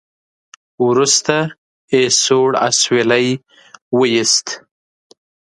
وروسته يې سوړ اسويلی وېست.